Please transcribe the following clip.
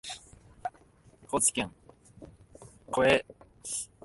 高知県越知町